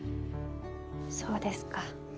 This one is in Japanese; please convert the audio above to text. そうですか。